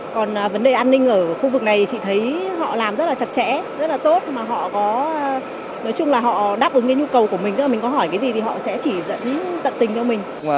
còn vấn đề an ninh ở khu vực này chị thấy họ làm rất là chặt chẽ rất là tốt mà họ có nói chung là họ đáp ứng cái nhu cầu của mình tức là mình có hỏi cái gì thì họ sẽ chỉ dẫn tận tình cho mình